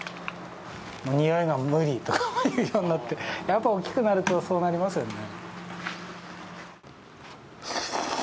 「においが無理」とか言うようになってやっぱ大きくなるとそうなりますよね。